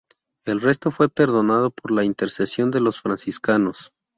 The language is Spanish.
El resto fue perdonado por la intercesión de los franciscanos.